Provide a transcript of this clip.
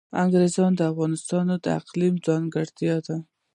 انګور د افغانستان د اقلیم ځانګړتیا ده.